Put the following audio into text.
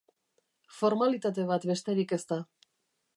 Formalitate bat besterik ez da.